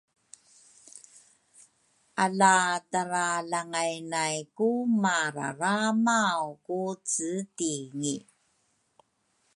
ala tara langay nay ku mararamaw ku cetingi